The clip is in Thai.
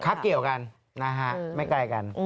ครับเกี่ยวกันนะฮะไม่ใกล้กัน